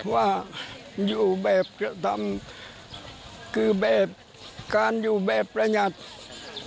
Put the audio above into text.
ว่าอยู่แบบกระทำคือแบบการอยู่แบบประหยัด